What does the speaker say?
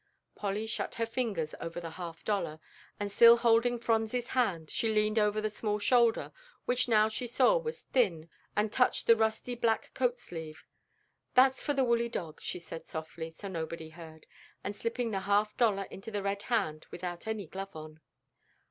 Polly shut her fingers over the half dollar, and still holding Phronsie's hand, she leaned over the small shoulder, which now she saw was thin, and touched the rusty black coat sleeve. "That's for the woolly dog," she said softly, so nobody heard, and slipping the half dollar into the red hand without any glove on.